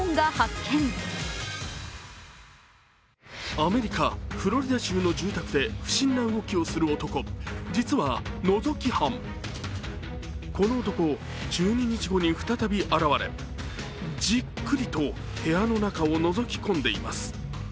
アメリカ・フロリダ州の住宅で不審な動きをする男、実はのぞき犯、この男、１２日後に再び現れじっくりと部屋の中をのぞき込んでいます。